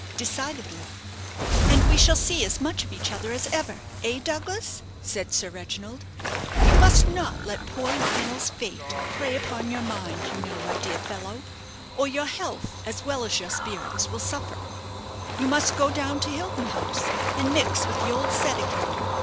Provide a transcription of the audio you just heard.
"Decidedly." "And we shall see as much of each other as ever eh, Douglas?" said Sir Reginald. "You must not let poor Lionel's fate prey upon your mind, you know, my dear fellow; or your health, as well as your spirits, will suffer. You must go down to Hilton House, and mix with the old set again.